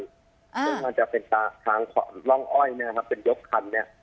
ซึ่งมันจะเป็นตาทางร่องอ้อยนะครับเป็นยกคันเนี่ย